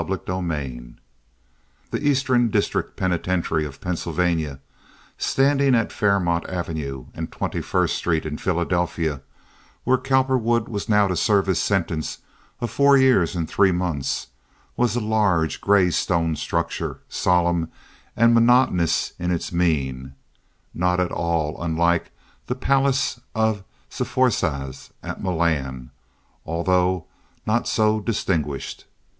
Chapter LIII The Eastern District Penitentiary of Pennsylvania, standing at Fairmount Avenue and Twenty first Street in Philadelphia, where Cowperwood was now to serve his sentence of four years and three months, was a large, gray stone structure, solemn and momentous in its mien, not at all unlike the palace of Sforzas at Milan, although not so distinguished.